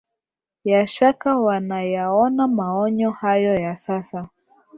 ya shaka wanayaona maonyo hayo ya sasa